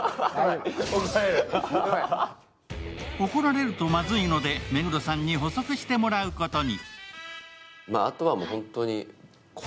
怒られるとまずいので目黒さんに補足してもらうことに。